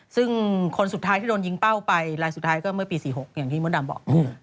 ซึ่งคนสุดท้ายที่โดนยิงเป้าไปรายสุดท้ายก็เมื่อปี๔๖อย่างที่มดดำบอก